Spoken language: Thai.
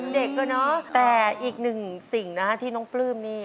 เด็กก็เนอะแต่อีกหนึ่งสิ่งนะฮะที่น้องปลื้มนี่